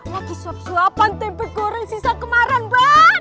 lagi suap suapan tempe goreng sisa kemarin pak